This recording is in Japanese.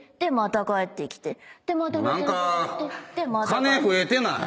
何か金増えてない？